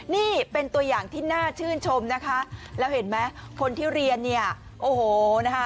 นี่เป็นตัวอย่างที่น่าชื่นชมนะคะแล้วเห็นไหมคนที่เรียนเนี่ยโอ้โหนะคะ